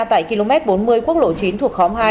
tại km bốn mươi quốc lộ chín thuộc khóm hai